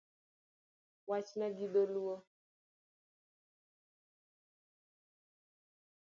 Wachna gi dholuo